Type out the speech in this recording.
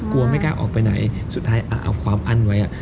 กลัวไม่กล้าออกไปไหนสุดท้ายอับความอั้นไว้อ่ะ